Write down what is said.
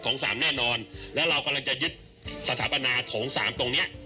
สามแน่นอนแล้วเรากำลังจะยึดสถาปนาโถงสามตรงเนี้ย